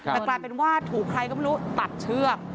แต่กลายเป็นว่าถูกใครก็ไม่รู้ตัดเชือก